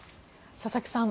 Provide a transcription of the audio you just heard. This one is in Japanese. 佐々木さん